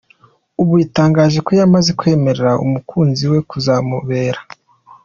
Ubu yatangaje ko yamaze kwemerera umukunzi we kuzamubera